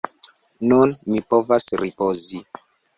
Nun mi povas ripozi.